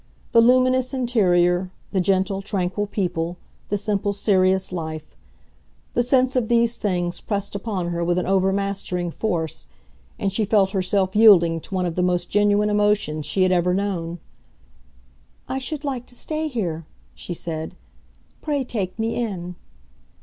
The luminous interior, the gentle, tranquil people, the simple, serious life—the sense of these things pressed upon her with an overmastering force, and she felt herself yielding to one of the most genuine emotions she had ever known. "I should like to stay here," she said. "Pray take me in."